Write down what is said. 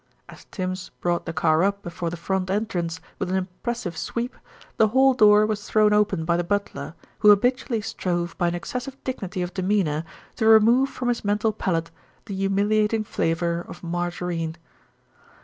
As Tims brought the car up before the front entrance with an impressive sweep, the hall door was thrown open by the butler, who habitually strove by an excessive dignity of demeanour to remove from his mental palate the humiliating flavour of margarine.